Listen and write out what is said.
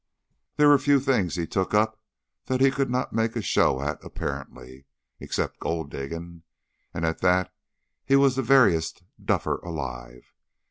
There were few things he took up that he could not make a show at apparently, except gold digging, and at that he was the veriest duffer alive.